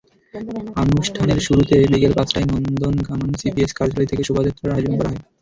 আনুষ্ঠানের শুরুতে বিকেল পাঁচটায় নন্দনকানন সিপিএস কার্যালয় থেকে শোভাযাত্রার আয়োজন করা হয়।